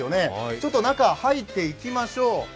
ちょっと中に入っていきましょう。